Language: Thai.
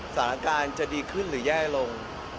สถานการณ์จะดีขึ้นหรือแย่ลง